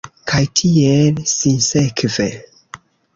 Kaj tiel sinsekve.